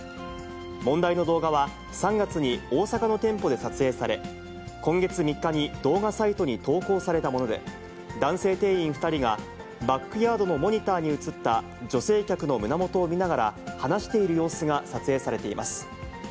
問題の動画は、３月に大阪の店舗で撮影され、今月３日に動画サイトに投稿されたもので、男性店員２人がバックヤードのモニターに映った女性客の胸元を見ながら、話している様子が撮影されています。